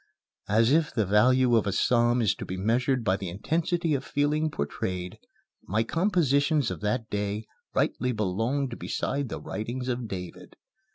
And if the value of a psalm is to be measured by the intensity of feeling portrayed, my compositions of that day rightly belonged beside the writings of David.